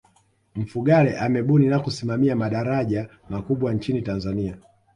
mfugale amebuni na kusimamia madaraja makubwa nchini tanzania